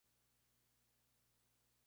Está compuesto por un grupo de nueve equipos.